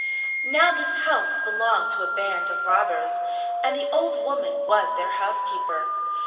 Now this house belonged to a band of robbers, and the old woman was their housekeeper.